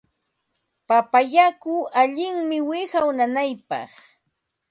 Papa yaku allinmi wiqaw nanaypaq.